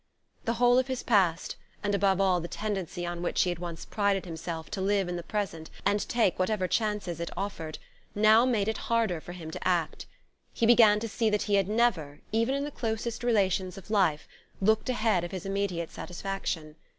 The whole of his past, and above all the tendency, on which he had once prided himself, to live in the present and take whatever chances it offered, now made it harder for him to act. He began to see that he had never, even in the closest relations of life, looked ahead of his immediate satisfaction.